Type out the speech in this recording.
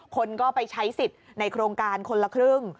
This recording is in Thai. คนก็ไปใช้สิทธิ์ในโครงการคนละครึ่ง